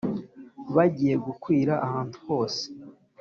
bagiye gukwira ahantu hose